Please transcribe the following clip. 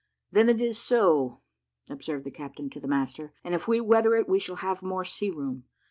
"Then it is so," observed the captain to the master, "and if we weather it we shall have more sea room.